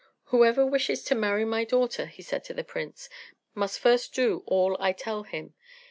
"Whoever wishes to marry my daughter," he said to the prince, "must first do all I tell him.